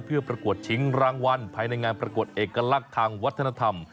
เพื่อประกวดชิงรางวัลภายในงานประกวดเอกลักษณ์ทางวัฒนธรรม